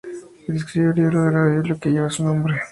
Escribió el libro de la Biblia que lleva su nombre.